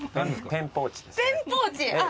ペンポーチ！